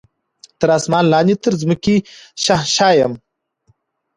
تر اسمان لاندي تر مځکي شهنشاه یم